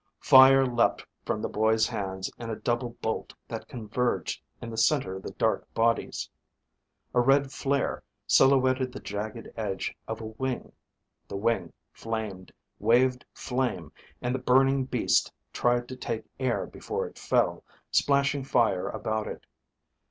Fire leapt from the boy's hands in a double bolt that converged in the center of the dark bodies. A red flair silhouetted the jagged edge of a wing. A wing flamed, waved flame, and the burning beast tried to take air before it fell, splashing fire about it.